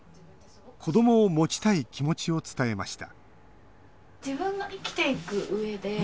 子どもを持ちたい気持ちを伝えました